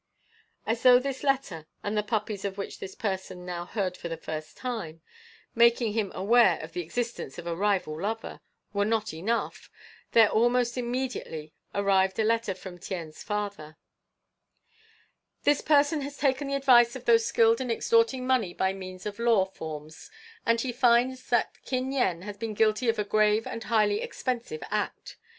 As though this letter, and the puppies of which this person now heard for the first time, making him aware of the existence of a rival lover, were not enough, there almost immediately arrived a letter from Tien's father: "This person has taken the advice of those skilled in extorting money by means of law forms, and he finds that Kin Yen has been guilty of a grave and highly expensive act.